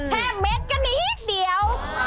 เม็ดก็นิดเดียว